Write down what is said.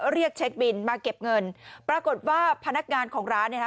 เรียกเช็คบินมาเก็บเงินปรากฏว่าพนักงานของร้านเนี่ยฮะ